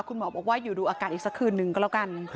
คุณหมอบอกว่าอยู่ดูอาการอีกสักคืนนึงก็แล้วกัน